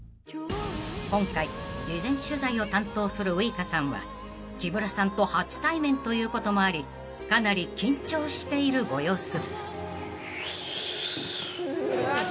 ［今回事前取材を担当するウイカさんは木村さんと初対面ということもありかなり緊張しているご様子］